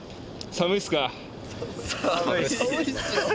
寒いっす。